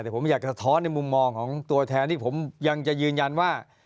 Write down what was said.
แต่ผมอยากจะสะท้อนในมุมมองของตัวแทนที่ผมยังจะยืนยันว่า